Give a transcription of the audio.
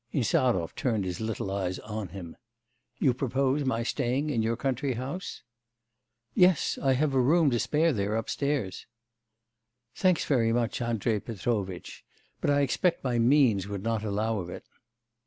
Insarov turned his little eyes on him. 'You propose my staying in your country house?' 'Yes; I have a room to spare there upstairs.' 'Thanks very much, Andrei Petrovitch; but I expect my means would not allow of it.